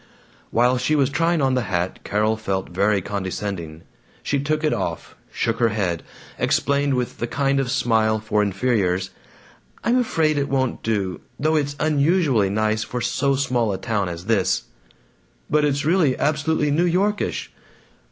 While she was trying on the hat Carol felt very condescending. She took it off, shook her head, explained with the kind smile for inferiors, "I'm afraid it won't do, though it's unusually nice for so small a town as this." "But it's really absolutely New Yorkish."